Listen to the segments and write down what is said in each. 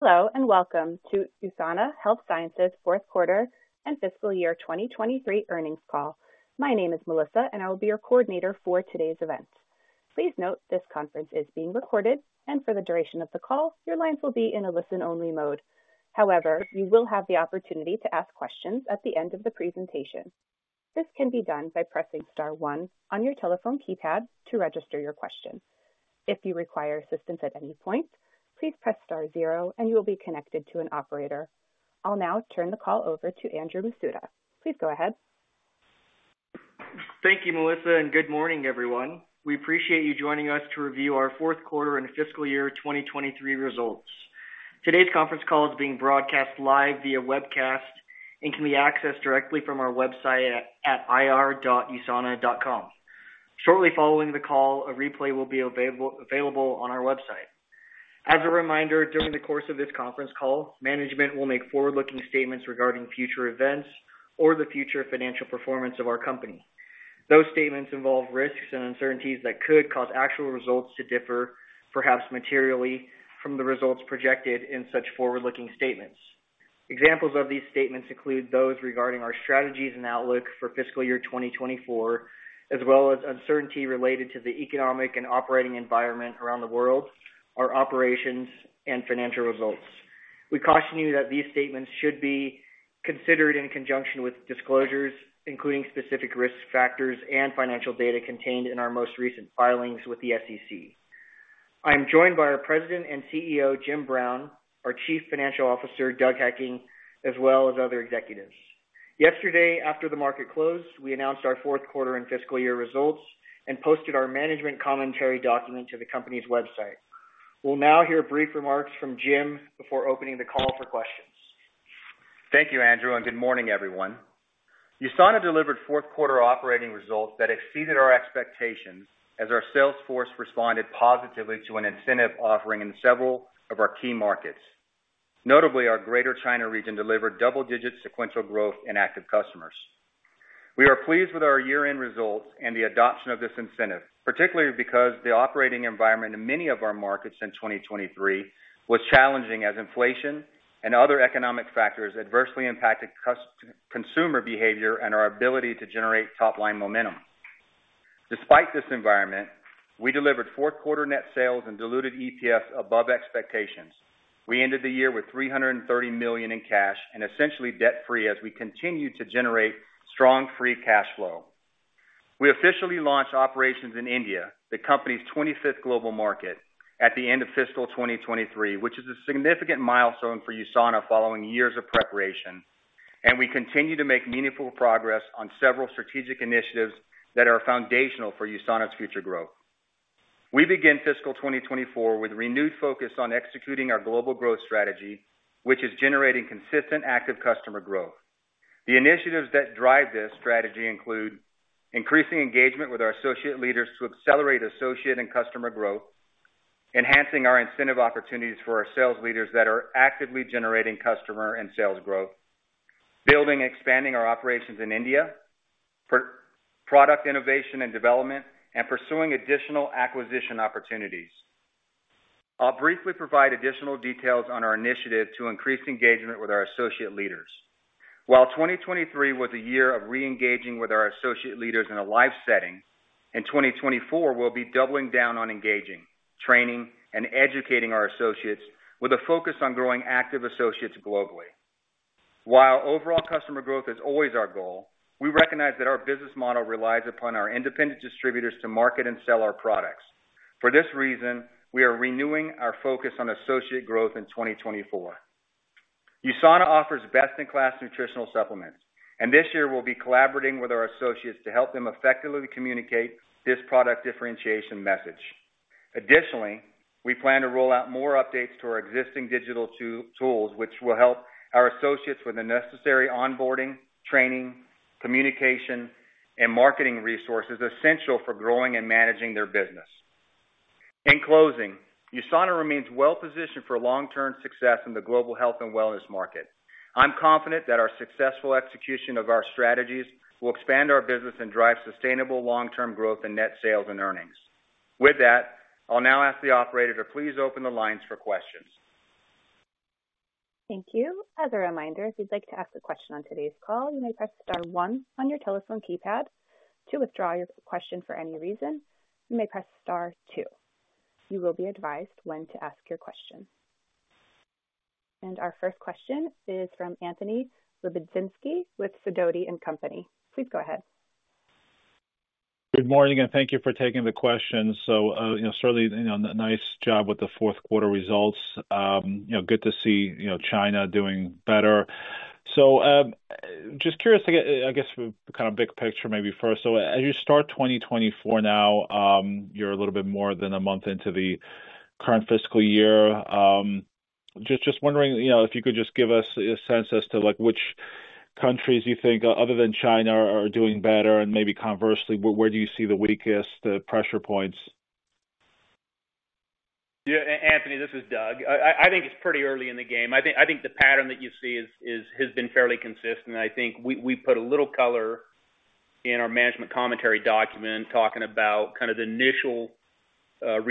Hello, and welcome to USANA Health Sciences fourth quarter and fiscal year 2023 earnings call. My name is Melissa, and I will be your coordinator for today's event. Please note, this conference is being recorded, and for the duration of the call, your lines will be in a listen-only mode. However, you will have the opportunity to ask questions at the end of the presentation. This can be done by pressing star one on your telephone keypad to register your question. If you require assistance at any point, please press star zero and you will be connected to an operator. I'll now turn the call over to Andrew Masuda. Please go ahead. Thank you, Melissa, and good morning, everyone. We appreciate you joining us to review our fourth quarter and fiscal year 2023 results. Today's conference call is being broadcast live via webcast and can be accessed directly from our website at ir.usana.com. Shortly following the call, a replay will be available on our website. As a reminder, during the course of this conference call, management will make forward-looking statements regarding future events or the future financial performance of our company. Those statements involve risks and uncertainties that could cause actual results to differ, perhaps materially, from the results projected in such forward-looking statements. Examples of these statements include those regarding our strategies and outlook for fiscal year 2024, as well as uncertainty related to the economic and operating environment around the world, our operations, and financial results. We caution you that these statements should be considered in conjunction with disclosures, including specific risk factors and financial data contained in our most recent filings with the SEC. I'm joined by our President and CEO, Jim Brown, our Chief Financial Officer, Doug Hekking, as well as other executives. Yesterday, after the market closed, we announced our fourth quarter and fiscal year results and posted our management commentary document to the company's website. We'll now hear brief remarks from Jim before opening the call for questions. Thank you, Andrew, and good morning, everyone. USANA delivered fourth quarter operating results that exceeded our expectations as our sales force responded positively to an incentive offering in several of our key markets. Notably, our Greater China region delivered double-digit sequential growth in active customers. We are pleased with our year-end results and the adoption of this incentive, particularly because the operating environment in many of our markets in 2023 was challenging, as inflation and other economic factors adversely impacted consumer behavior and our ability to generate top-line momentum. Despite this environment, we delivered fourth quarter net sales and diluted EPS above expectations. We ended the year with $330 million in cash and essentially debt-free as we continue to generate strong free cash flow. We officially launched operations in India, the company's 25th global market, at the end of fiscal 2023, which is a significant milestone for USANA following years of preparation, and we continue to make meaningful progress on several strategic initiatives that are foundational for USANA's future growth. We begin fiscal 2024 with renewed focus on executing our global growth strategy, which is generating consistent active customer growth. The initiatives that drive this strategy include increasing engagement with our associate leaders to accelerate associate and customer growth, enhancing our incentive opportunities for our sales leaders that are actively generating customer and sales growth, building and expanding our operations in India, product innovation and development, and pursuing additional acquisition opportunities. I'll briefly provide additional details on our initiative to increase engagement with our associate leaders. While 2023 was a year of reengaging with our associate leaders in a live setting, in 2024, we'll be doubling down on engaging, training, and educating our associates with a focus on growing active associates globally. While overall customer growth is always our goal, we recognize that our business model relies upon our independent distributors to market and sell our products. For this reason, we are renewing our focus on associate growth in 2024. USANA offers best-in-class nutritional supplements, and this year we'll be collaborating with our associates to help them effectively communicate this product differentiation message. Additionally, we plan to roll out more updates to our existing digital tools, which will help our associates with the necessary onboarding, training, communication, and marketing resources essential for growing and managing their business. In closing, USANA remains well positioned for long-term success in the global health and wellness market. I'm confident that our successful execution of our strategies will expand our business and drive sustainable, long-term growth in net sales and earnings. With that, I'll now ask the operator to please open the lines for questions. Thank you. As a reminder, if you'd like to ask a question on today's call, you may press star one on your telephone keypad. To withdraw your question for any reason, you may press star two. You will be advised when to ask your question. Our first question is from Anthony Lebiedzinski with Sidoti & Company. Please go ahead. Good morning, and thank you for taking the questions. You know, certainly, nice job with the fourth quarter results. You know, good to see, you know, China doing better. Just curious to get, I guess, kind of big picture maybe first. As you start 2024 now, you're a little bit more than a month into the current fiscal year. Just wondering, you know, if you could just give us a sense as to, like, which countries you think, other than China, are doing better, and maybe conversely, where do you see the weakest pressure points? Yeah, Anthony, this is Doug. I think it's pretty early in the game. I think the pattern that you see has been fairly consistent, and I think we put a little color-... in our management commentary document, talking about kind of the initial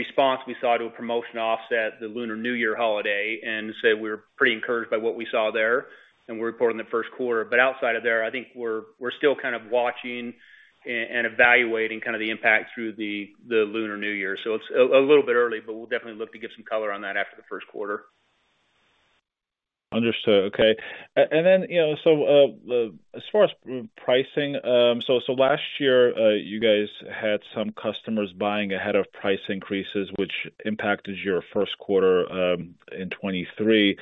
response we saw to a promotion offset, the Lunar New Year holiday, and say we're pretty encouraged by what we saw there, and we report in the first quarter. But outside of there, I think we're still kind of watching and evaluating kind of the impact through the Lunar New Year. So it's a little bit early, but we'll definitely look to give some color on that after the first quarter. Understood. Okay. And then, you know, so, as far as pricing, so, so last year, you guys had some customers buying ahead of price increases, which impacted your first quarter, in 2023.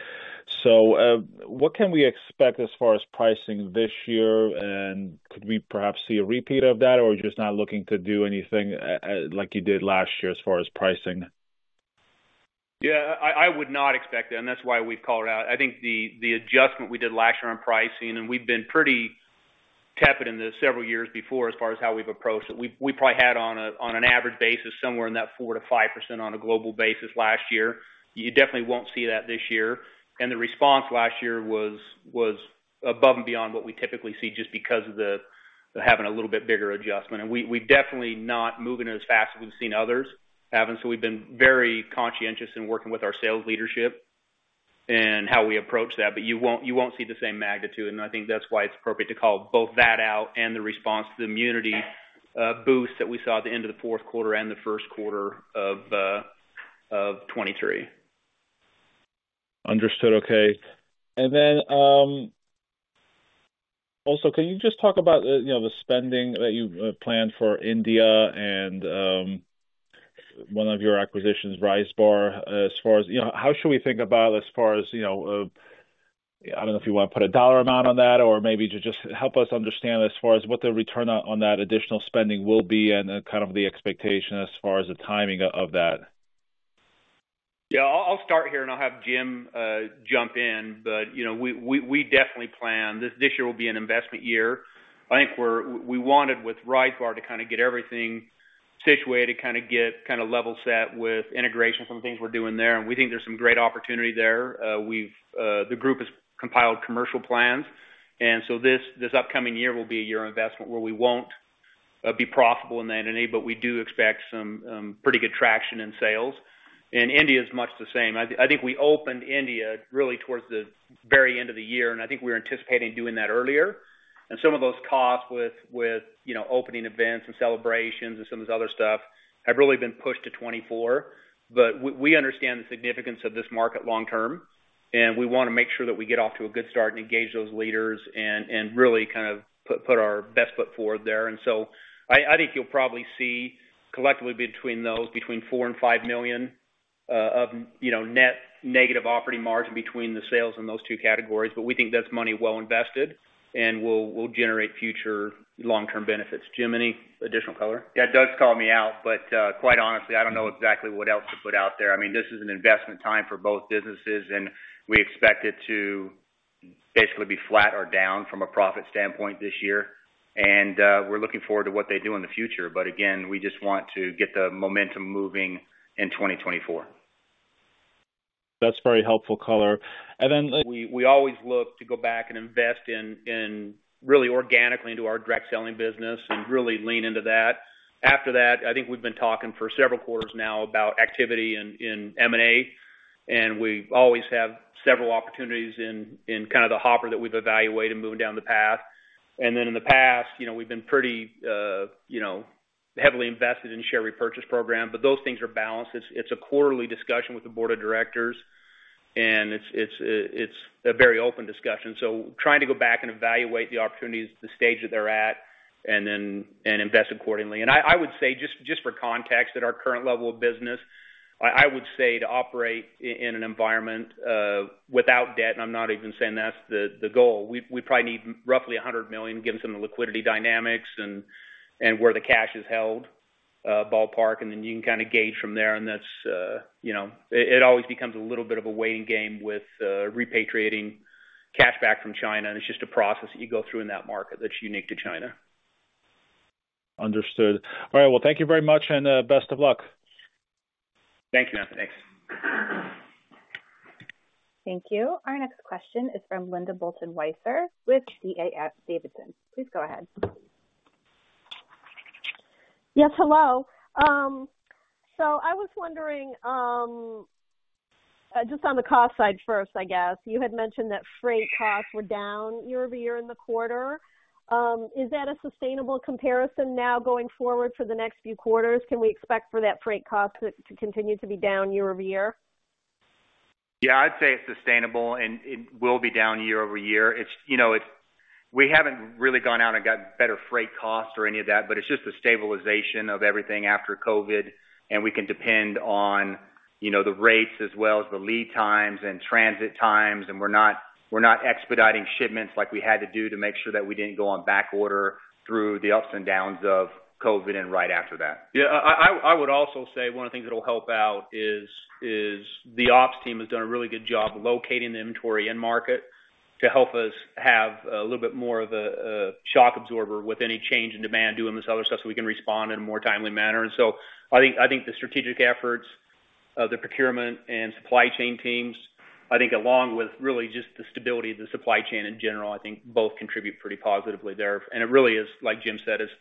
So, what can we expect as far as pricing this year? And could we perhaps see a repeat of that, or just not looking to do anything, like you did last year as far as pricing? Yeah, I would not expect that, and that's why we've called it out. I think the adjustment we did last year on pricing, and we've been pretty tepid in the several years before as far as how we've approached it. We probably had on a, on an average basis, somewhere in that 4%-5% on a global basis last year. You definitely won't see that this year. And the response last year was above and beyond what we typically see, just because of the having a little bit bigger adjustment. And we're definitely not moving as fast as we've seen others having. So we've been very conscientious in working with our sales leadership and how we approach that, but you won't see the same magnitude. I think that's why it's appropriate to call both that out and the response to the immunity boost that we saw at the end of the fourth quarter and the first quarter of 2023. Understood. Okay. And then, also, can you just talk about the, you know, the spending that you've planned for India and, one of your acquisitions, Rise Bar, as far as... You know, how should we think about as far as, you know, I don't know if you want to put a dollar amount on that, or maybe just help us understand as far as what the return on that additional spending will be and, kind of the expectation as far as the timing of that? Yeah, I'll start here, and I'll have Jim jump in. But, you know, we definitely plan this year will be an investment year. I think we wanted with Rise Bar to kind of get everything situated, kind of get, kind of level set with integration, some things we're doing there. And we think there's some great opportunity there. The group has compiled commercial plans, and so this upcoming year will be a year of investment, where we won't be profitable in that entity, but we do expect some pretty good traction in sales. And India is much the same. I think we opened India really towards the very end of the year, and I think we're anticipating doing that earlier. Some of those costs with, you know, opening events and celebrations and some of this other stuff, have really been pushed to 2024. But we understand the significance of this market long-term, and we want to make sure that we get off to a good start and engage those leaders and really kind of put our best foot forward there. And so I think you'll probably see collectively between those, between $4 million and $5 million of net negative operating margin between the sales in those two categories. But we think that's money well invested and will generate future long-term benefits. Jim, any additional color? Yeah, Doug called me out, but quite honestly, I don't know exactly what else to put out there. I mean, this is an investment time for both businesses, and we expect it to basically be flat or down from a profit standpoint this year. And, we're looking forward to what they do in the future. But again, we just want to get the momentum moving in 2024. That's very helpful color. And then- We always look to go back and invest in really organically into our direct-selling business and really lean into that. After that, I think we've been talking for several quarters now about activity in M&A, and we've always had several opportunities in kind of the hopper that we've evaluated and moving down the path. And then in the past, you know, we've been pretty, you know, heavily invested in share repurchase program, but those things are balanced. It's a quarterly discussion with the board of directors, and it's a very open discussion. So trying to go back and evaluate the opportunities, the stage that they're at, and then invest accordingly. And I would say, just for context, at our current level of business, I would say to operate in an environment without debt, and I'm not even saying that's the goal. We probably need roughly $100 million, given some of the liquidity dynamics and where the cash is held, ballpark, and then you can kind of gauge from there. And that's, you know, it always becomes a little bit of a waiting game with repatriating cash back from China, and it's just a process that you go through in that market that's unique to China. Understood. All right, well, thank you very much, and best of luck. Thank you. Thanks. Thank you. Our next question is from Linda Bolton Weiser with D.A. Davidson. Please go ahead. Yes, hello. I was wondering, just on the cost side first, I guess. Is that a sustainable comparison now going forward for the next few quarters? Can we expect for that freight cost to, to continue to be down year-over-year? Yeah, I'd say it's sustainable, and it will be down year-over-year. It's, you know, we haven't really gone out and got better freight costs or any of that, but it's just the stabilization of everything after COVID, and we can depend on, you know, the rates as well as the lead times and transit times. And we're not, we're not expediting shipments like we had to do to make sure that we didn't go on backorder through the ups and downs of COVID and right after that. Yeah, I would also say one of the things that will help out is the ops team has done a really good job locating the inventory in market to help us have a little bit more of a shock absorber with any change in demand, doing this other stuff, so we can respond in a more timely manner. And so I think the strategic efforts, the procurement and supply chain teams, I think along with really just the stability of the supply chain in general, I think both contribute pretty positively there. And it really is, like Jim said, it's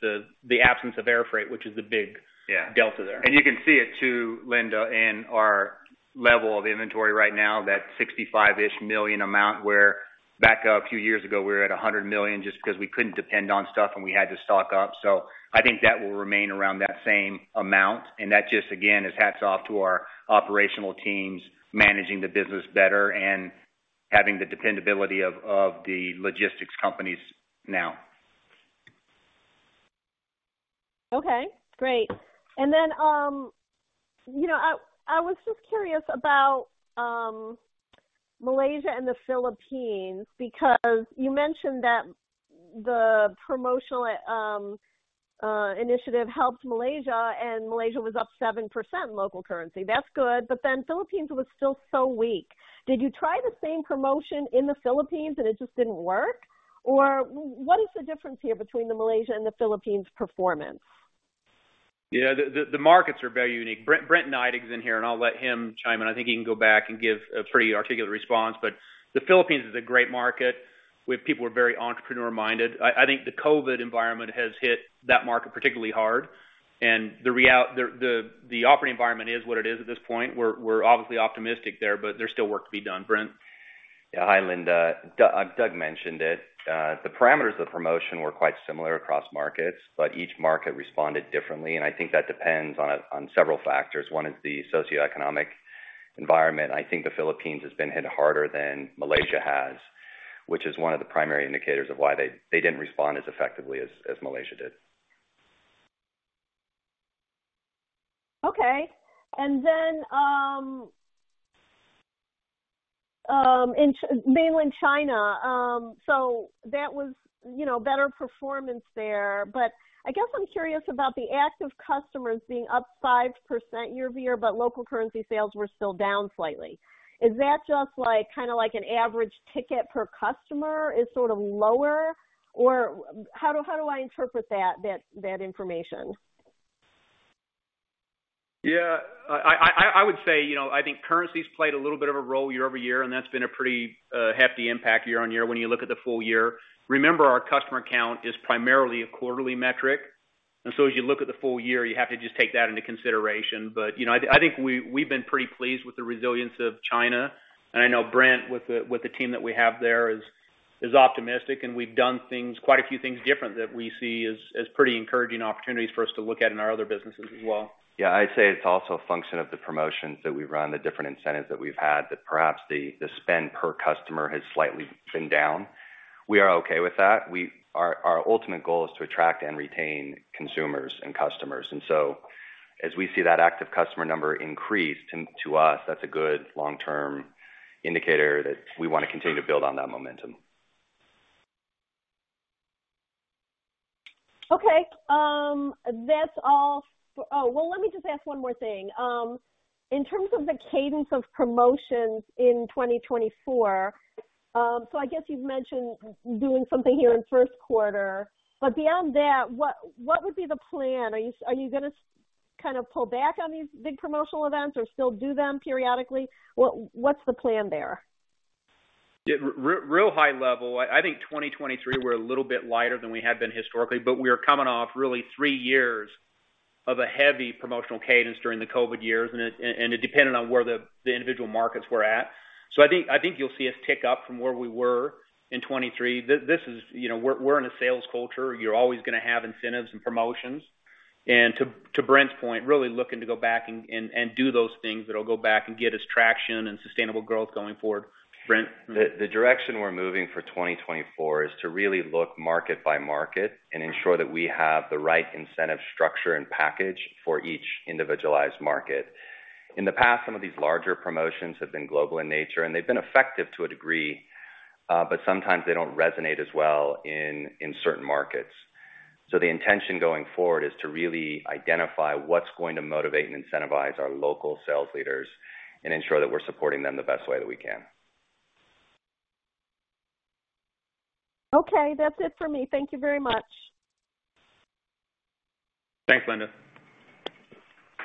the absence of airfreight, which is the big- Yeah. -delta there. You can see it too, Linda, in our level of inventory right now, that $65-ish million amount, where back a few years ago, we were at $100 million just because we couldn't depend on stuff and we had to stock up. So I think that will remain around that same amount, and that just, again, is hats off to our operational teams, managing the business better and having the dependability of the logistics companies now. Okay, great. And then, you know, I was just curious about Malaysia and the Philippines, because you mentioned that the promotional initiative helped Malaysia, and Malaysia was up 7% local currency. That's good, but then Philippines was still so weak. Did you try the same promotion in the Philippines, and it just didn't work? Or what is the difference here between the Malaysia and the Philippines performance? Yeah, the markets are very unique. Brent Neidig is in here, and I'll let him chime in. I think he can go back and give a pretty articulate response. But the Philippines is a great market, with people who are very entrepreneur-minded. I think the COVID environment has hit that market particularly hard, and the real—the operating environment is what it is at this point. We're obviously optimistic there, but there's still work to be done. Brent? Yeah. Hi, Linda. Doug mentioned it. The parameters of promotion were quite similar across markets, but each market responded differently, and I think that depends on several factors. One is the socioeconomic environment. I think the Philippines has been hit harder than Malaysia has, which is one of the primary indicators of why they didn't respond as effectively as Malaysia did. Okay. And then, in Mainland China, so that was, you know, better performance there. But I guess I'm curious about the active customers being up 5% year-over-year, but local currency sales were still down slightly. Is that just like, kind of like an average ticket per customer is sort of lower? Or how do I interpret that information? Yeah. I would say, you know, I think currencies played a little bit of a role year-over-year, and that's been a pretty hefty impact year-over-year when you look at the full year. Remember, our customer count is primarily a quarterly metric, and so as you look at the full year, you have to just take that into consideration. But, you know, I think we've been pretty pleased with the resilience of China. And I know Brent, with the team that we have there, is optimistic, and we've done things, quite a few things different that we see as pretty encouraging opportunities for us to look at in our other businesses as well. Yeah, I'd say it's also a function of the promotions that we run, the different incentives that we've had, that perhaps the spend per customer has slightly been down. We are okay with that. Our ultimate goal is to attract and retain consumers and customers. And so as we see that Active Customer number increase, to us, that's a good long-term indicator that we want to continue to build on that momentum. Okay, that's all. Oh, well, let me just ask one more thing. In terms of the cadence of promotions in 2024, so I guess you've mentioned doing something here in first quarter, but beyond that, what, what would be the plan? Are you gonna kind of pull back on these big promotional events or still do them periodically? What, what's the plan there? Yeah, real high level, I think 2023, we're a little bit lighter than we had been historically, but we are coming off really three years of a heavy promotional cadence during the COVID years, and it depended on where the individual markets were at. So I think you'll see us tick up from where we were in 2023. This is... You know, we're in a sales culture. You're always gonna have incentives and promotions. And to Brent's point, really looking to go back and do those things that'll go back and get us traction and sustainable growth going forward. Brent? The direction we're moving for 2024 is to really look market by market and ensure that we have the right incentive, structure, and package for each individualized market. In the past, some of these larger promotions have been global in nature, and they've been effective to a degree, but sometimes they don't resonate as well in certain markets. So the intention going forward is to really identify what's going to motivate and incentivize our local sales leaders and ensure that we're supporting them the best way that we can. Okay, that's it for me. Thank you very much. Thanks, Linda.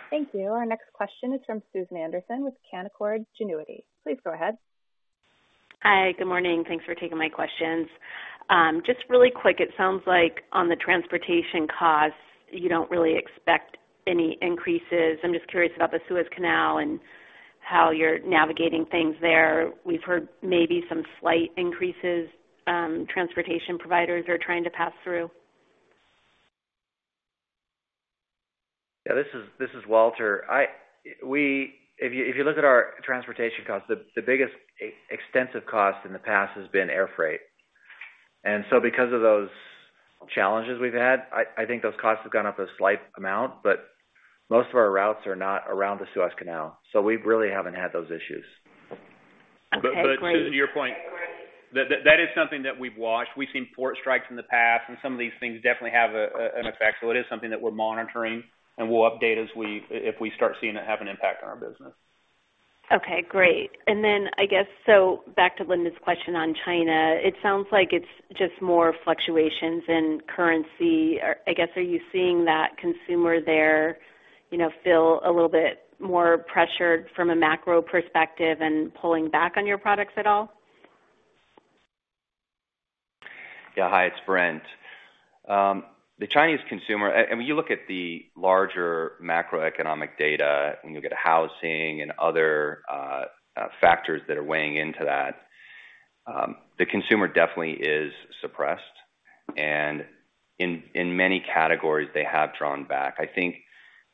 Thank you. Our next question is from Susan Anderson with Canaccord Genuity. Please go ahead. Hi, good morning. Thanks for taking my questions. Just really quick, it sounds like on the transportation costs, you don't really expect any increases. I'm just curious about the Suez Canal and how you're navigating things there. We've heard maybe some slight increases, transportation providers are trying to pass through. Yeah, this is Walter. If you look at our transportation costs, the biggest extensive cost in the past has been airfreight. And so because of those challenges we've had, I think those costs have gone up a slight amount, but most of our routes are not around the Suez Canal, so we really haven't had those issues. But to your point, that is something that we've watched. We've seen port strikes in the past, and some of these things definitely have an effect, so it is something that we're monitoring, and we'll update as we, if we start seeing it have an impact on our business.... Okay, great. And then I guess, so back to Linda's question on China, it sounds like it's just more fluctuations in currency. I guess, are you seeing that consumer there, you know, feel a little bit more pressured from a macro perspective and pulling back on your products at all? Yeah. Hi, it's Brent. The Chinese consumer, when you look at the larger macroeconomic data, when you look at housing and other factors that are weighing into that, the consumer definitely is suppressed, and in many categories, they have drawn back. I think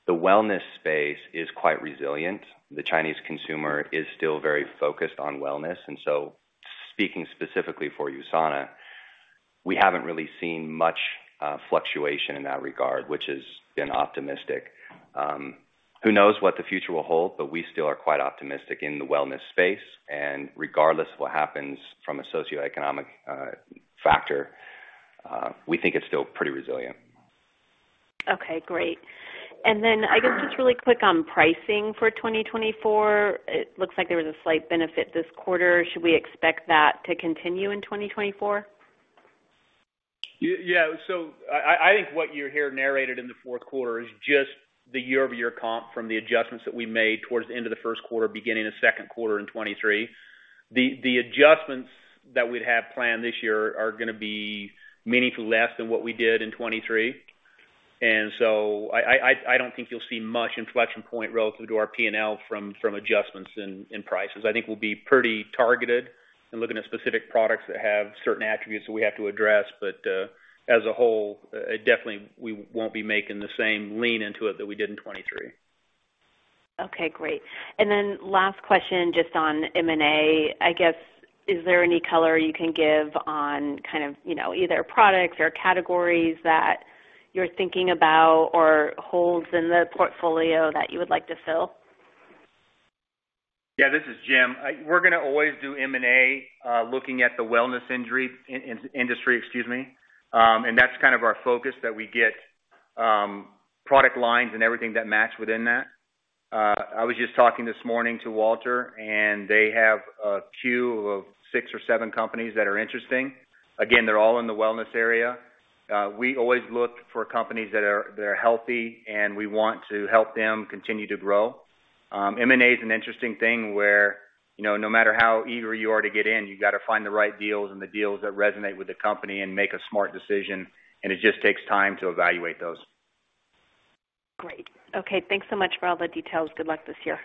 the wellness space is quite resilient. The Chinese consumer is still very focused on wellness, and so speaking specifically for USANA, we haven't really seen much fluctuation in that regard, which has been optimistic. Who knows what the future will hold, but we still are quite optimistic in the wellness space. Regardless of what happens from a socioeconomic factor, we think it's still pretty resilient. Okay, great. And then, I guess, just really quick on pricing for 2024. It looks like there was a slight benefit this quarter. Should we expect that to continue in 2024? Yeah. So I think what you hear narrated in the fourth quarter is just the year-over-year comp from the adjustments that we made towards the end of the first quarter, beginning of second quarter in 2023. The adjustments that we'd have planned this year are gonna be meaningfully less than what we did in 2023. And so I don't think you'll see much inflection point relative to our P&L from adjustments in prices. I think we'll be pretty targeted in looking at specific products that have certain attributes that we have to address. But as a whole, definitely, we won't be making the same lean into it that we did in 2023. Okay, great. And then last question, just on M&A. I guess, is there any color you can give on kind of, you know, either products or categories that you're thinking about or holes in the portfolio that you would like to fill? Yeah, this is Jim. We're gonna always do M&A, looking at the wellness industry, excuse me. And that's kind of our focus, that we get product lines and everything that match within that. I was just talking this morning to Walter, and they have a queue of six or seven companies that are interesting. Again, they're all in the wellness area. We always look for companies that are healthy, and we want to help them continue to grow. M&A is an interesting thing where, you know, no matter how eager you are to get in, you've got to find the right deals and the deals that resonate with the company and make a smart decision, and it just takes time to evaluate those. Great. Okay, thanks so much for all the details. Good luck this year.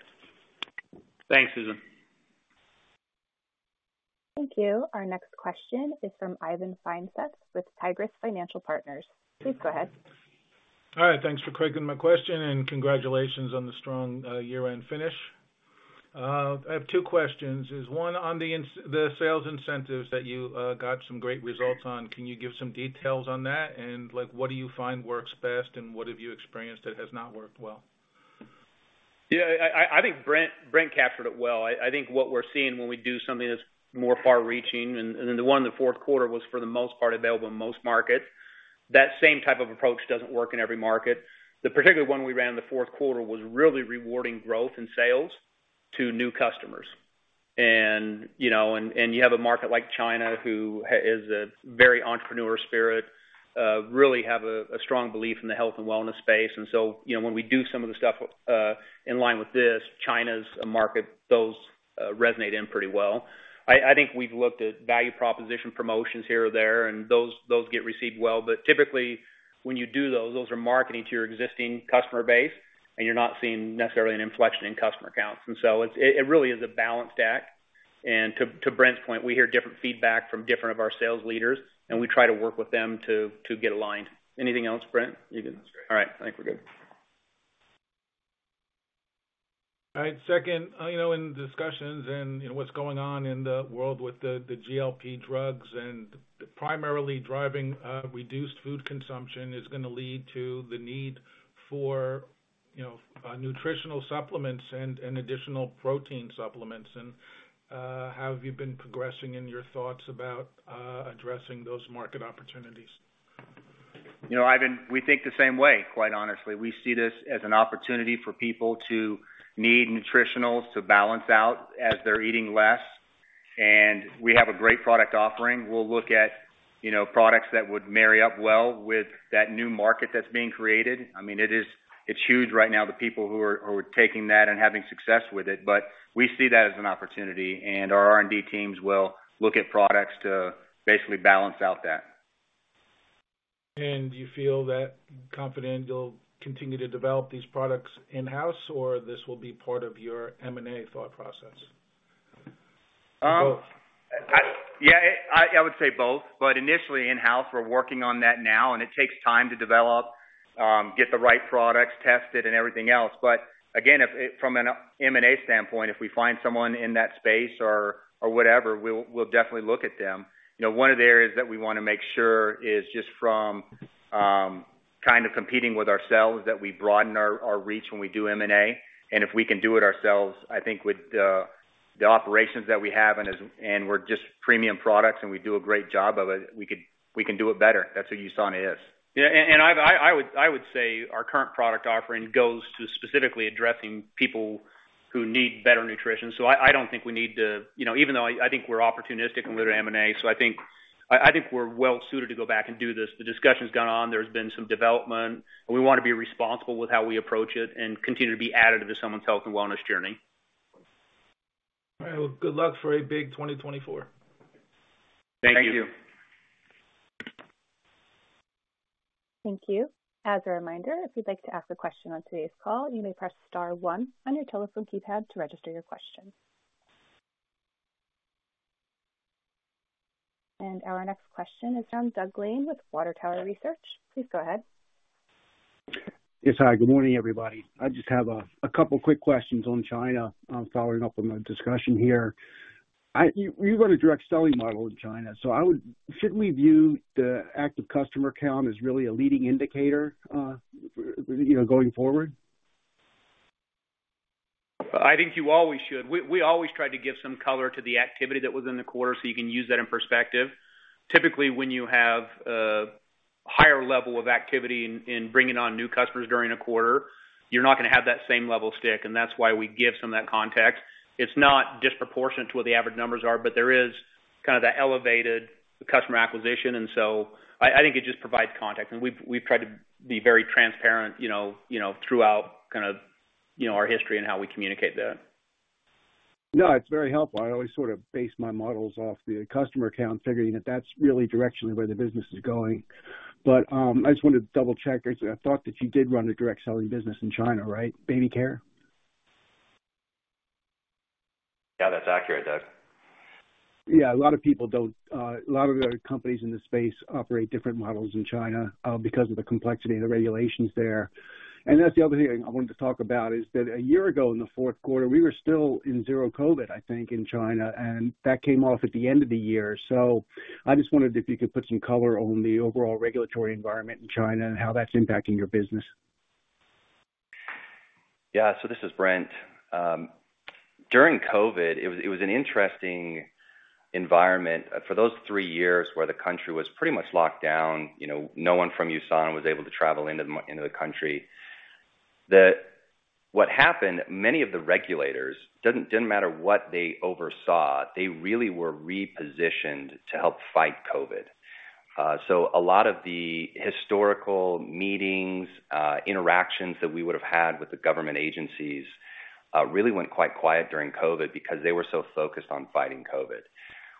Thanks, Susan. Thank you. Our next question is from Ivan Feinseth with Tigress Financial Partners. Please go ahead. All right, thanks for taking my question, and congratulations on the strong year-end finish. I have two questions, is one on the sales incentives that you got some great results on. Can you give some details on that? And, like, what do you find works best, and what have you experienced that has not worked well? Yeah, I think Brent captured it well. I think what we're seeing when we do something that's more far-reaching, and the one in the fourth quarter was, for the most part, available in most markets. That same type of approach doesn't work in every market. The particular one we ran in the fourth quarter was really rewarding growth in sales to new customers. And, you know, and you have a market like China, who is a very entrepreneurial spirit, really has a strong belief in the health and wellness space. And so, you know, when we do some of the stuff in line with this, China's a market, those resonate pretty well. I think we've looked at value proposition promotions here or there, and those get received well. But typically, when you do those, those are marketing to your existing customer base, and you're not seeing necessarily an inflection in customer counts. And so it's really a balanced act. And to Brent's point, we hear different feedback from different of our sales leaders, and we try to work with them to get aligned. Anything else, Brent? You can- That's great. All right, I think we're good. All right. Second, you know, in discussions and, you know, what's going on in the world with the GLP drugs and primarily driving reduced food consumption is gonna lead to the need for, you know, nutritional supplements and additional protein supplements. How have you been progressing in your thoughts about addressing those market opportunities? You know, Ivan, we think the same way, quite honestly. We see this as an opportunity for people to need nutritionals to balance out as they're eating less, and we have a great product offering. We'll look at, you know, products that would marry up well with that new market that's being created. I mean, it is... It's huge right now, the people who are, who are taking that and having success with it. But we see that as an opportunity, and our R&D teams will look at products to basically balance out that. Do you feel that confident you'll continue to develop these products in-house, or this will be part of your M&A thought process? Or both. I would say both, but initially in-house. We're working on that now, and it takes time to develop, get the right products tested and everything else. But again, from an M&A standpoint, if we find someone in that space or whatever, we'll definitely look at them. You know, one of the areas that we wanna make sure is just from kind of competing with ourselves, that we broaden our reach when we do M&A. And if we can do it ourselves, I think would.... the operations that we have and we're just premium products, and we do a great job of it. We can do it better. That's what USANA is. Yeah, and I would say our current product offering goes to specifically addressing people who need better nutrition. So I don't think we need to, you know, even though I think we're opportunistic with our M&A, so I think we're well suited to go back and do this. The discussion's gone on, there's been some development, and we wanna be responsible with how we approach it and continue to be additive to someone's health and wellness journey. All right. Well, good luck for a big 2024. Thank you. Thank you. Thank you. As a reminder, if you'd like to ask a question on today's call, you may press star one on your telephone keypad to register your question. Our next question is from Doug Lane with Water Tower Research. Please go ahead. Yes, hi, good morning, everybody. I just have a couple quick questions on China, following up on the discussion here. You run a direct-selling model in China, so I would—shouldn't we view the active customer count as really a leading indicator, you know, going forward? I think you always should. We, we always try to give some color to the activity that was in the quarter, so you can use that in perspective. Typically, when you have a higher level of activity in, in bringing on new customers during a quarter, you're not gonna have that same level stick, and that's why we give some of that context. It's not disproportionate to what the average numbers are, but there is kind of that elevated customer acquisition. And so I, I think it just provides context, and we've, we've tried to be very transparent, you know, you know, throughout kind of, you know, our history and how we communicate that. No, it's very helpful. I always sort of base my models off the customer count, figuring that that's really directionally where the business is going. But, I just wanted to double-check. I thought that you did run a direct-selling business in China, right? BabyCare? Yeah, that's accurate, Doug. Yeah, a lot of people don't, a lot of the companies in this space operate different models in China, because of the complexity of the regulations there. That's the other thing I wanted to talk about, is that a year ago, in the fourth quarter, we were still in Zero COVID, I think, in China, and that came off at the end of the year. I just wondered if you could put some color on the overall regulatory environment in China and how that's impacting your business. Yeah. So this is Brent. During COVID, it was an interesting environment for those three years where the country was pretty much locked down. You know, no one from USANA was able to travel into the country. What happened, many of the regulators, didn't matter what they oversaw, they really were repositioned to help fight COVID. So a lot of the historical meetings, interactions that we would have had with the government agencies, really went quite quiet during COVID because they were so focused on fighting COVID.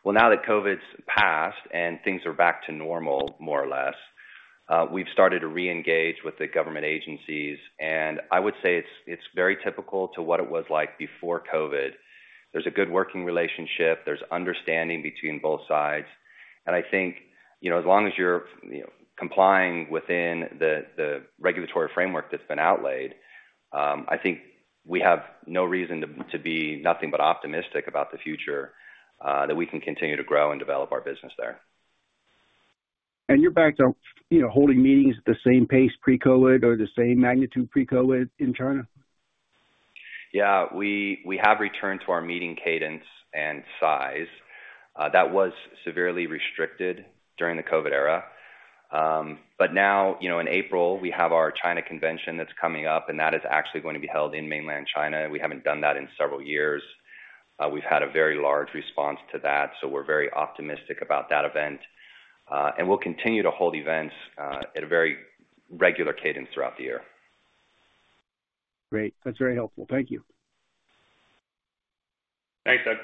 Well, now that COVID's passed and things are back to normal, more or less, we've started to reengage with the government agencies, and I would say it's very typical to what it was like before COVID. There's a good working relationship. There's understanding between both sides. I think, you know, as long as you're, you know, complying within the regulatory framework that's been outlined, I think we have no reason to be nothing but optimistic about the future, that we can continue to grow and develop our business there. You're back to, you know, holding meetings at the same pace pre-COVID or the same magnitude pre-COVID in China? Yeah, we have returned to our meeting cadence and size. That was severely restricted during the COVID era. But now, you know, in April, we have our China convention that's coming up, and that is actually going to be held in Mainland China. We haven't done that in several years. We've had a very large response to that, so we're very optimistic about that event. And we'll continue to hold events at a very regular cadence throughout the year. Great. That's very helpful. Thank you. Thanks, Doug.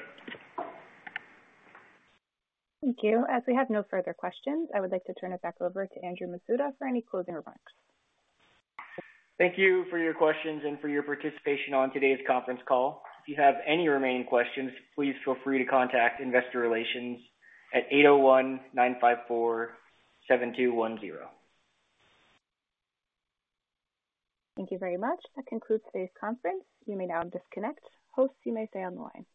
Thank you. As we have no further questions, I would like to turn it back over to Andrew Masuda for any closing remarks. Thank you for your questions and for your participation on today's conference call. If you have any remaining questions, please feel free to contact Investor Relations at 801-954-7210. Thank you very much. That concludes today's conference. You may now disconnect. Hosts, you may stay on the line.